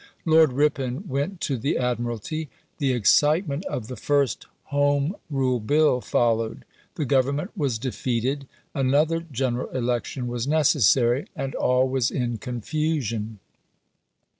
Lord Ripon went to the Admiralty. The excitement of the first Home Rule Bill followed; the Government was defeated; another general election was necessary, and all was in confusion.